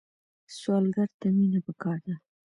سوالګر ته مینه پکار ده